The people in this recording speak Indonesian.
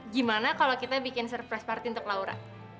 gimana kalau kita bikin surprise party untuk laura